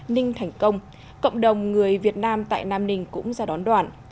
ninh thành công cộng đồng người việt nam tại nam ninh cũng ra đón đoàn